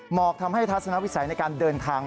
กทำให้ทัศนวิสัยในการเดินทาง